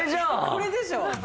これでしょ。